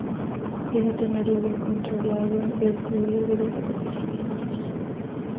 Quiero tenerlo bien controlado el fluir de los acontecimientos